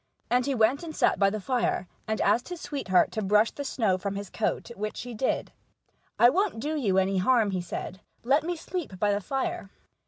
And he went and sat by the fire, and asked his sweetheart to brush the snow from his coat, which she did. "I wont do you any harm," he said; "let me sleep by the fire."